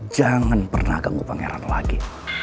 jangan pernah ganggu pangeran lagi